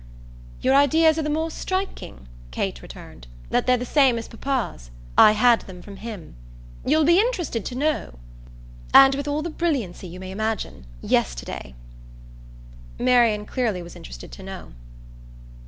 "Your ideas are the more striking," Kate returned, "that they're the same as papa's. I had them from him, you'll be interested to know and with all the brilliancy you may imagine yesterday." Marian clearly was interested to know.